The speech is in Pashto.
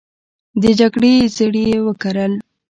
د جګړې زړي یې وکرل